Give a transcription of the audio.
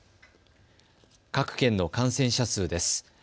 各県の感染者数です。